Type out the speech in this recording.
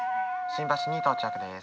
新橋に到着です。